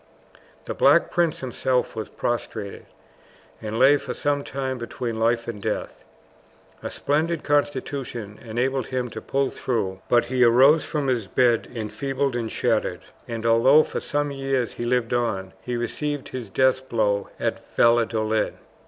The Black Prince himself was prostrated, and lay for some time between life and death. A splendid constitution enabled him to pull through, but he arose from his bed enfeebled and shattered, and although for some years he lived on, he received his death blow at Valladolid.